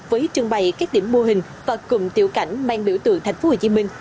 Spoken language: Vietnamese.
với trường bày các điểm mô hình và cùng tiểu cảnh mang biểu tượng tp hcm